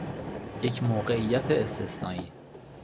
یک موقعیت استثنایی